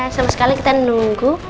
sama sekali kita nunggu